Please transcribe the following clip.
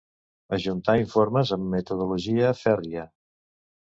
Ajuntar informes amb metodologia fèrria.